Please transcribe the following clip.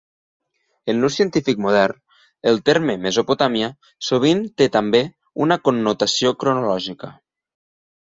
En l'ús científic modern, el terme Mesopotàmia sovint té també una connotació cronològica.